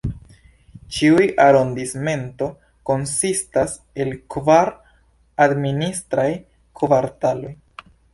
Ĉiu arondismento konsistas el kvar administraj kvartaloj.